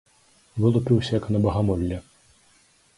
Вылупіўся, як на багамолле!